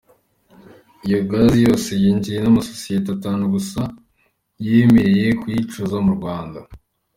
Iyo gazi yose yinjijwe n’amasosiyete atanu gusa yemerewe kuyicuruza mu Rwanda.